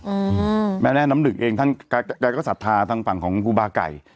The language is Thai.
อืมแม่แม่น้ำหนึ่งเองท่านแกก็ศรัทธาทางฝั่งของครูบาไก่